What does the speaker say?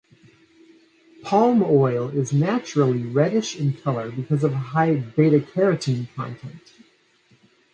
Palm oil is naturally reddish in color because of a high beta-carotene content.